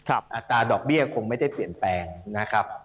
อัตราดอกเบี้ยคงไม่ได้เปลี่ยนแปลงนะครับ